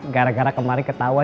gara gara kemarin ketawa